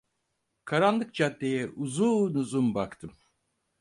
Karanlık caddeye uzun uzun baktım.